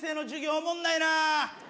おもんないな。